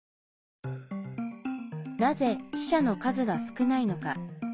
なぜ死者の数が少ないのか。